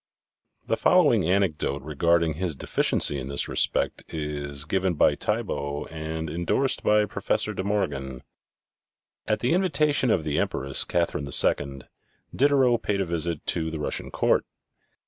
The following anecdote regarding his deficiency in this respect is given by Thiebault and indorsed by Professor De Morgan : At the invitation of the Empress, Catherine II, Diderot paid a visit to the Russian court.